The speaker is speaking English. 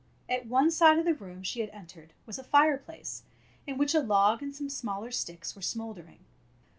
At one side of the room she had entered was a fireplace in which a log and some smaller sticks were smouldering.